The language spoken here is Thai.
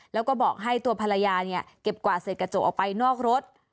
แล้วก็บอกให้ตัวภรรยาเนี่ยเก็บกวาดเสร็จกระจกออกไปนอกรถ